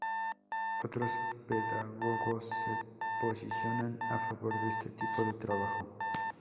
Otros pedagogos se posicionan a favor de este tipo de trabajo.